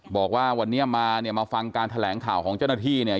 บอกว่าวันนี้มาเนี่ยมาฟังการแถลงข่าวของเจ้าหน้าที่เนี่ย